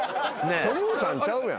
トムーさんちゃうやん。